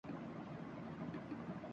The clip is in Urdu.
جاز اور وارد کی فرنچائز بھی مشترکہ ہوں گی